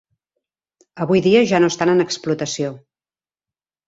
Avui dia ja no estan en explotació.